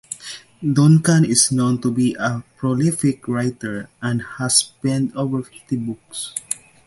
Duncan is known to be a prolific writer and has penned over fifty books.